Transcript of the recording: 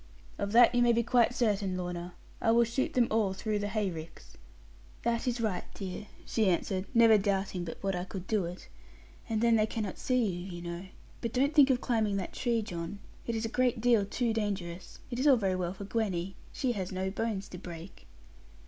'Of that you may be quite certain, Lorna. I will shoot them all through the hay ricks.' 'That is right, dear,' she answered, never doubting but what I could do it; 'and then they cannot see you, you know. But don't think of climbing that tree, John; it is a great deal too dangerous. It is all very well for Gwenny; she has no bones to break.'